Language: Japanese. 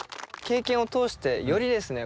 経験を通してよりですね